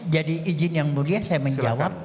jadi izin yang mulia saya menjawab